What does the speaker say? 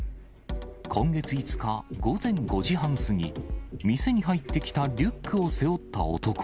今月５日、午前５時半過ぎ、店に入ってきたリュックを背負った男。